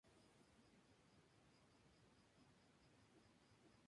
El condado recibe su nombre en honor a Jesse Lee Reno.